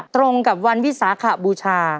ตรงกับวันวิสาขบูชา